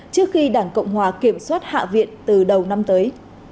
trước khi đảng cộng hòa kiểm soát hạ viện từ đầu năm tới